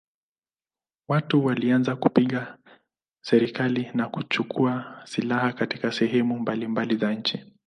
Watu walianza kupinga serikali na kuchukua silaha katika sehemu mbalimbali za nchi.